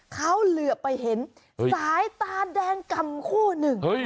เขาเหลือไปเห็นสายตาแดงกำคู่หนึ่ง